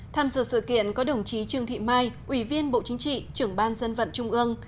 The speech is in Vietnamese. tham dự sự kiện có đồng chí trương thị mai ủy viên bộ chính trị trưởng ban dân vận trung ương